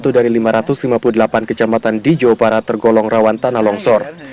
satu dari lima ratus lima puluh delapan kecamatan di jawa barat tergolong rawan tanah longsor